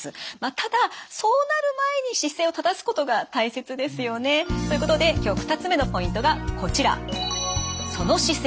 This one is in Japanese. ただそうなる前に姿勢を正すことが大切ですよね。ということで今日２つ目のポイントがこちら。